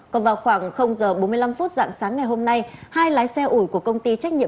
còn vào khoảng h bốn mươi năm phút dạng sáng ngày hôm nay hai lái xe ủi của công ty trách nhiệm